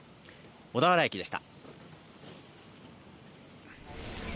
小田原駅でした。